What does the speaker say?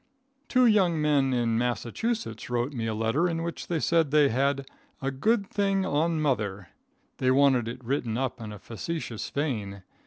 Two young men in Massachusetts wrote me a letter in which they said they "had a good thing on mother." They wanted it written up in a facetious vein.